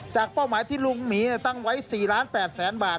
จากเป้าหมายที่ลุงหมีตั้งไว้๔๘๐๐๐๐๐บาท